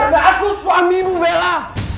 karena aku suami ibu bella